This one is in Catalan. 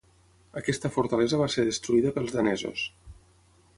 Aquesta fortalesa va ser destruïda pels danesos.